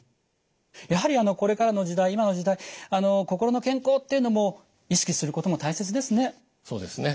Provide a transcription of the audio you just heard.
やはりあのこれからの時代今の時代心の健康っていうのも意識することも大切ですね。